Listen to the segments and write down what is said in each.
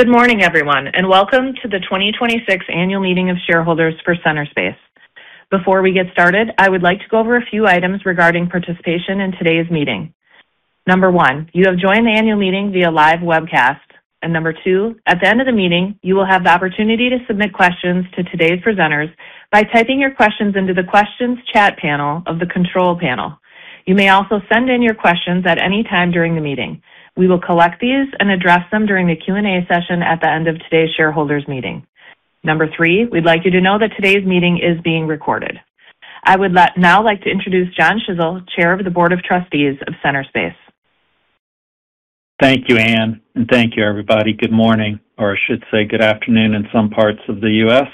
Good morning, everyone, welcome to the 2026 Annual Meeting of Shareholders for Centerspace. Before we get started, I would like to go over a few items regarding participation in today's meeting. Number one, you have joined the annual meeting via live webcast. Number one, at the end of the meeting, you will have the opportunity to submit questions to today's presenters by typing your questions into the questions chat panel of the control panel. You may also send in your questions at any time during the meeting. We will collect these and address them during the Q&A session at the end of today's shareholders meeting. Number three, we'd like you to know that today's meeting is being recorded. I would now like to introduce John Schissel, Chair of the Board of Trustees of Centerspace. Thank you, Anne, and thank you, everybody. Good morning, or I should say good afternoon in some parts of the U.S.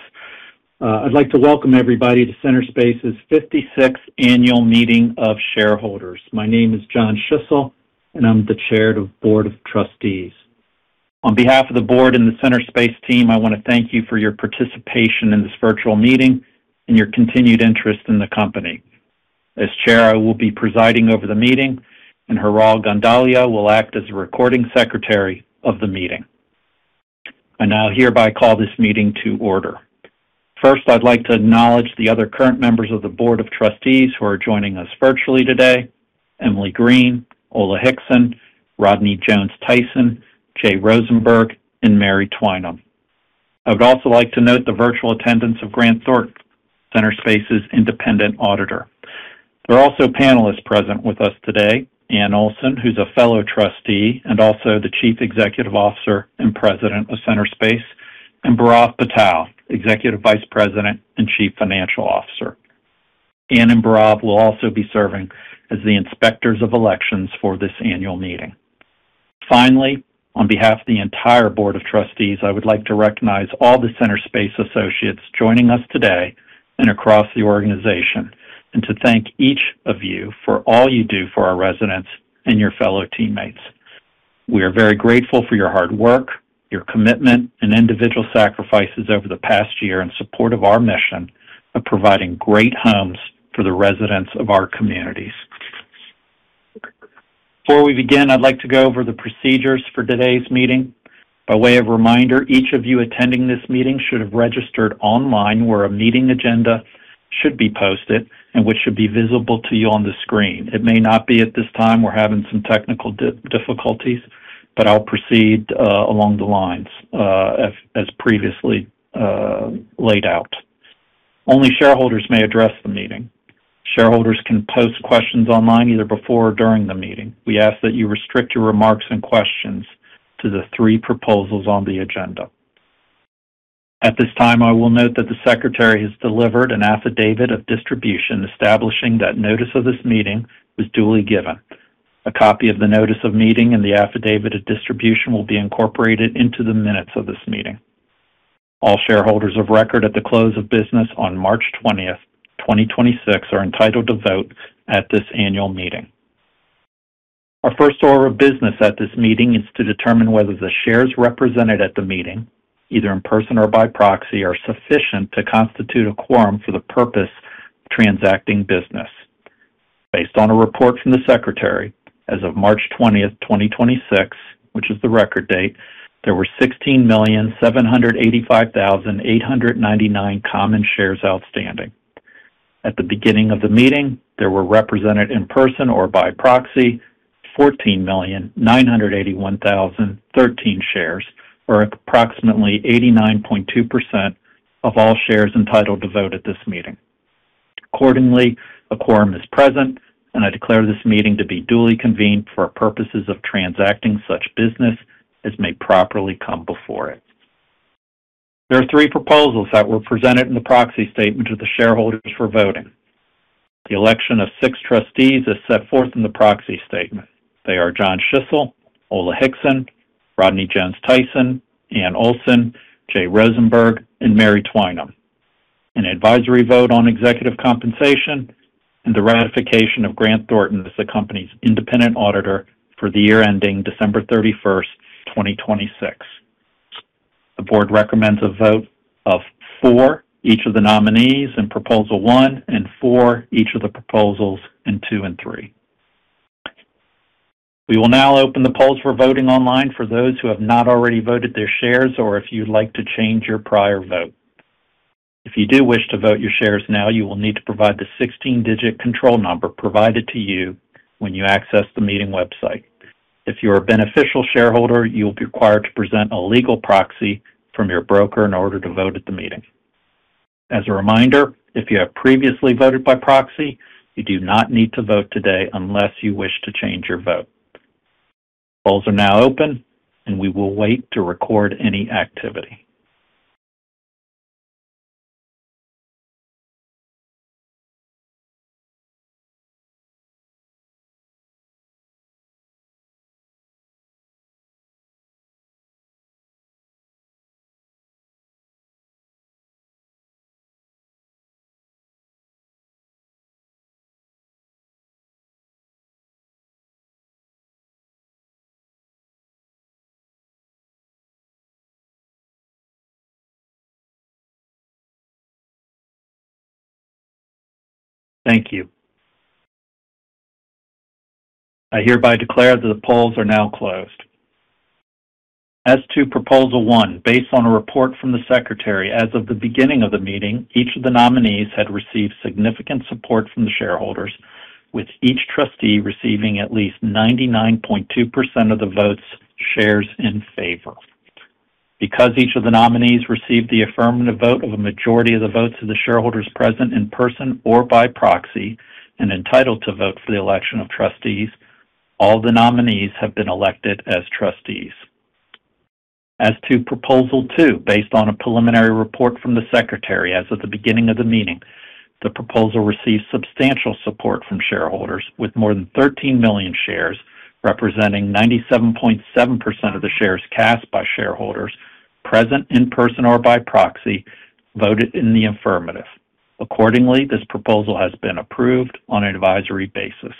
I'd like to welcome everybody to Centerspace's 56th Annual Meeting of Shareholders. My name is John Schissel, and I'm the Chair of Board of Trustees. On behalf of the board and the Centerspace team, I wanna thank you for your participation in this virtual meeting and your continued interest in the company. As Chair, I will be presiding over the meeting, and Haral Gandalia will act as the recording secretary of the meeting. I now hereby call this meeting to order. First, I'd like to acknowledge the other current members of the Board of Trustees who are joining us virtually today: Emily Green, Ola Hixon, Rodney Jones-Tyson, Jay Rosenberg, and Mary Twinem. I would also like to note the virtual attendance of Grant Thornton, Centerspace's independent auditor. There are also panelists present with us today, Anne Olson, who's a fellow trustee and also the Chief Executive Officer and President of Centerspace, and Bhairav Patel, Executive Vice President and Chief Financial Officer. Anne and Bhairav will also be serving as the Inspectors of Elections for this annual meeting. Finally, on behalf of the entire Board of Trustees, I would like to recognize all the Centerspace associates joining us today and across the organization, and to thank each of you for all you do for our residents and your fellow teammates. We are very grateful for your hard work, your commitment, and individual sacrifices over the past year in support of our mission of providing great homes for the residents of our communities. Before we begin, I'd like to go over the procedures for today's meeting. By way of reminder, each of you attending this meeting should have registered online, where a meeting agenda should be posted and which should be visible to you on the screen. It may not be at this time. We're having some technical difficulties, but I'll proceed along the lines as previously laid out. Only shareholders may address the meeting. Shareholders can post questions online either before or during the meeting. We ask that you restrict your remarks and questions to the three proposals on the agenda. At this time, I will note that the secretary has delivered an affidavit of distribution establishing that notice of this meeting was duly given. A copy of the notice of meeting and the affidavit of distribution will be incorporated into the minutes of this meeting. All shareholders of record at the close of business on March 20, 2026 are entitled to vote at this annual meeting. Our first order of business at this meeting is to determine whether the shares represented at the meeting, either in person or by proxy, are sufficient to constitute a quorum for the purpose of transacting business. Based on a report from the secretary, as of March 20, 2026, which is the record date, there were 16,785,899 common shares outstanding. At the beginning of the meeting, there were represented in person or by proxy 14,981,013 shares, or approximately 89.2% of all shares entitled to vote at this meeting. Accordingly, a quorum is present, and I declare this meeting to be duly convened for purposes of transacting such business as may properly come before it. There are three proposals that were presented in the proxy statement to the shareholders for voting. The election of six trustees is set forth in the proxy statement. They are John Schissel, Ola Hixon, Rodney Jones-Tyson, Anne Olson, Jay Rosenberg, and Mary Twinem. An advisory vote on executive compensation and the ratification of Grant Thornton as the company's independent auditor for the year ending December 31st, 2026. The board recommends a vote of for each of the nominees in Proposal 1 and for each of the Proposals in 2 and 3. We will now open the polls for voting online for those who have not already voted their shares or if you'd like to change your prior vote. If you do wish to vote your shares now, you will need to provide the 16-digit control number provided to you when you access the meeting website. If you're a beneficial shareholder, you'll be required to present a legal proxy from your broker in order to vote at the meeting. As a reminder, if you have previously voted by proxy, you do not need to vote today unless you wish to change your vote. Polls are now open, and we will wait to record any activity. Thank you. I hereby declare that the polls are now closed. As to Proposal 1, based on a report from the secretary, as of the beginning of the meeting, each of the nominees had received significant support from the shareholders, with each trustee receiving at least 99.2% of the votes shares in favor. Because each of the nominees received the affirmative vote of a majority of the votes of the shareholders present in person or by proxy and entitled to vote for the election of trustees, all the nominees have been elected as trustees. As to Proposal 2, based on a preliminary report from the secretary as of the beginning of the meeting, the proposal received substantial support from shareholders with more than 13 million shares, representing 97.7% of the shares cast by shareholders present in person or by proxy voted in the affirmative. Accordingly, this proposal has been approved on an advisory basis.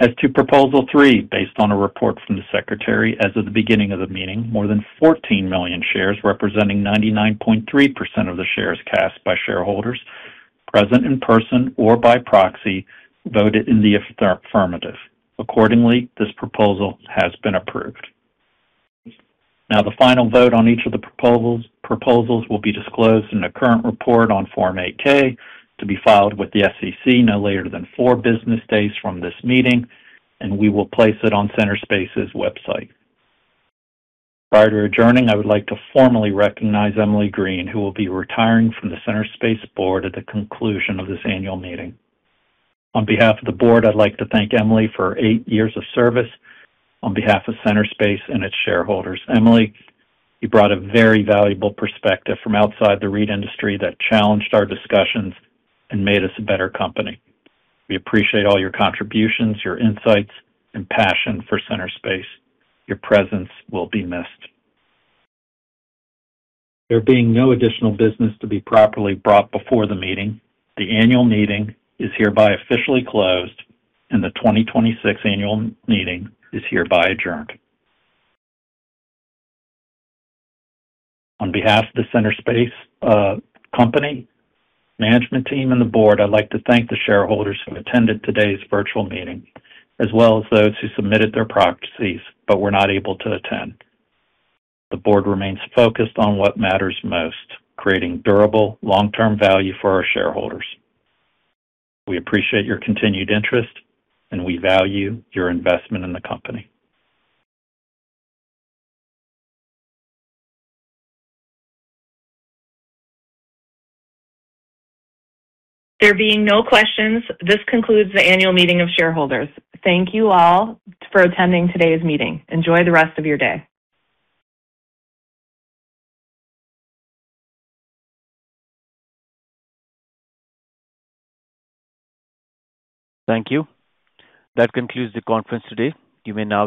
As to Proposal 3, based on a report from the secretary as of the beginning of the meeting, more than 14 million shares, representing 99.3% of the shares cast by shareholders present in person or by proxy voted in the affirmative. Accordingly, this proposal has been approved. Now, the final vote on each of the proposals will be disclosed in a current report on Form 8-K to be filed with the SEC no later than four business days from this meeting, and we will place it on Centerspace's website. Prior to adjourning, I would like to formally recognize Emily Green, who will be retiring from the Centerspace board at the conclusion of this annual meeting. On behalf of the board, I'd like to thank Emily for eight years of service on behalf of Centerspace and its shareholders. Emily, you brought a very valuable perspective from outside the REIT industry that challenged our discussions and made us a better company. We appreciate all your contributions, your insights and passion for Centerspace. Your presence will be missed. There being no additional business to be properly brought before the meeting, the annual meeting is hereby officially closed, and the 2026 annual meeting is hereby adjourned. On behalf of the Centerspace, company management team and the board, I'd like to thank the shareholders who attended today's virtual meeting, as well as those who submitted their proxies but were not able to attend. The board remains focused on what matters most, creating durable, long-term value for our shareholders. We appreciate your continued interest, and we value your investment in the company. There being no questions, this concludes the annual meeting of shareholders. Thank you all for attending today's meeting. Enjoy the rest of your day. Thank you. That concludes the conference today. You may now disconnect.